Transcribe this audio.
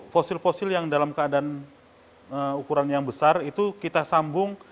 fosil fosil yang dalam keadaan ukuran yang besar itu kita sambung